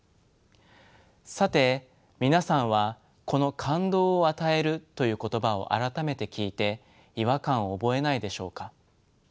さて皆さんはこの「感動を与える」という言葉を改めて聞いて違和感を覚えないでしょうか。